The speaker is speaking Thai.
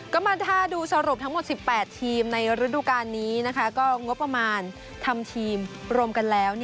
ก็มาถ้าดูสรุปทั้งหมด๑๘ทีมในฤดูการนี้ก็งบประมาณทำทีมรวมกันแล้ว